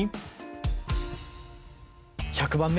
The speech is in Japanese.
１００番目。